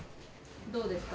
どうですか？